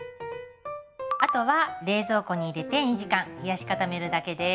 あとは冷蔵庫に入れて２時間冷やし固めるだけです。